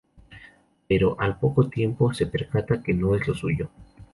Pero, al poco tiempo, se percata que no es lo suyo.